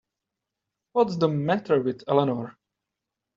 What's the matter with Eleanor?